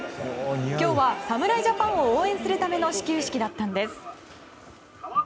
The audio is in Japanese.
今日は侍ジャパンを応援するための始球式だったんです。